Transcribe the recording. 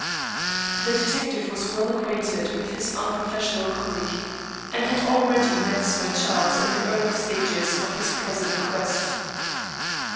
The detective was well acquainted with his unprofessional colleague, and had already met Sir Charles in the early stages of his present quest.